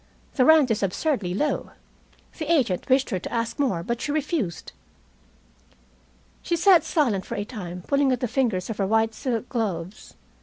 "The rent is absurdly low. The agent wished her to ask more, but she refused." She sat silent for a time, pulling at the fingers of her white silk gloves.